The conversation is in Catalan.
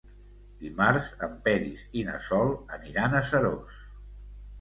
Dimarts en Peris i na Sol aniran a Seròs.